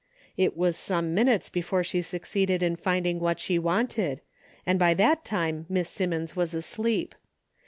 It was some minutes before she suc ceeded in finding what she wanted, and by that time Miss Simmons was asleep.